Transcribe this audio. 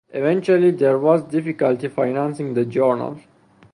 Eventually there was difficulty financing the journal.